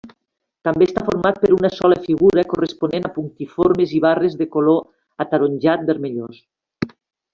També està format per una sola figura corresponent a punctiformes i barres de color ataronjat-vermellós.